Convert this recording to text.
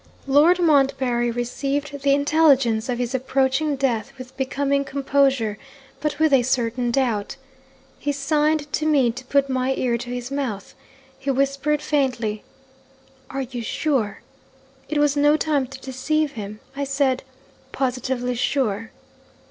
'"Lord Montbarry received the intelligence of his approaching death with becoming composure, but with a certain doubt. He signed to me to put my ear to his mouth. He whispered faintly, 'Are you sure?' It was no time to deceive him; I said, 'Positively sure.'